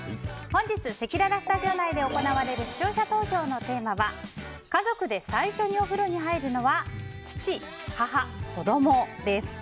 本日、せきららスタジオ内で行われる、視聴者投票のテーマは家族で最初にお風呂に入るのは父・母・子供です。